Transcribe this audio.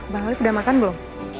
bang alief udah makan belum